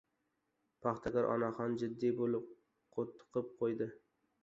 Paxtakor onaxon jiddiy bo‘lib qo‘tttib qo‘ydi: